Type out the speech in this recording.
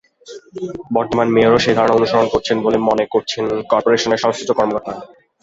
বর্তমান মেয়রও সেই ধারা অনুসরণ করছেন বলে মনে করছেন করপোরেশনের সংশ্লিষ্ট কর্মকর্তারা।